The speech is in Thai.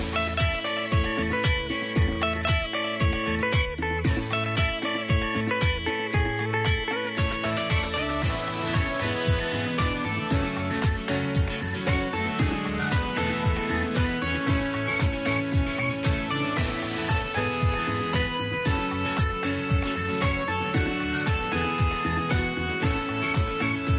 โปรดติดตามตอนต่อไป